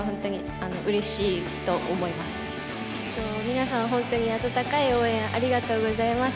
皆さん本当に温かい応援ありがとうございます。